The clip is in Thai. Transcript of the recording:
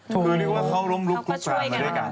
คือเรียกว่าเขารุ่มรุกทุกภาพมาด้วยกัน